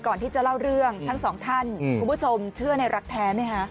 ก่อนที่จะเล่าเรื่องทั้งสองท่านคุณผู้ชมเชื่อในรักแท้ไหมคะ